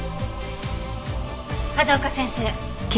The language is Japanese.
風丘先生。